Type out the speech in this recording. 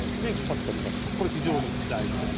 非常に大事です。